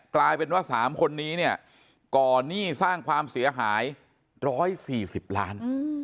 กลายเป็นว่า๓คนนี้เนี่ยก่อหนี้สร้างความเสียหาย๑๔๐ล้าน